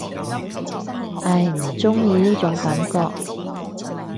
唉，唔中意呢種感覺